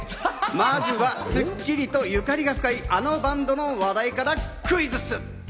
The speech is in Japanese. まずは『スッキリ』と縁が深い、あのバンドの話題からクイズッス！